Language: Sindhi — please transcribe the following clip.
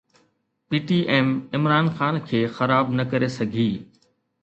P T M Imran Khan کي خراب نه ڪري سگهي